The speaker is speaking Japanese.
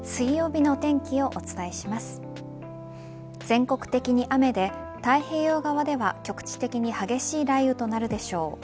全国的に雨で太平洋側では局地的に激しい雷雨となるでしょう。